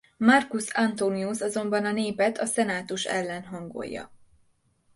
Marcus Antonius azonban a népet a senatus ellen hangolja.